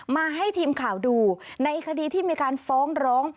มาให้ทีมข่าวดูในคดีที่มีการฟ้องร้อง